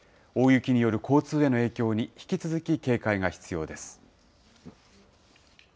大雪による交通への影響に引き続き警戒が必要です。